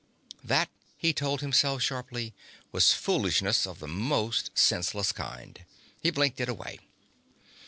That, he told himself sharply, was foolishness of the most senseless kind. He blinked it away.